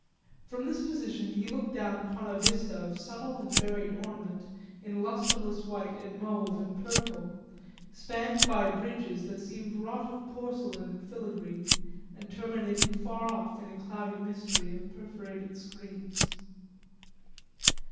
From this position he looked down a vista of subtle and varied ornament in lustreless white and mauve and purple, spanned by bridges that seemed wrought of porcelain and filigree, and terminating far off in a cloudy mystery of perforated screens.